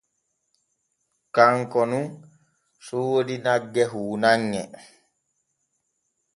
Kanko nun soodi nagge huunanŋe.